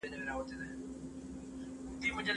سندرې د ټولنیزې اړیکې غښتلي کوي.